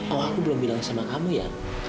oh aku belum bilang sama kamu ya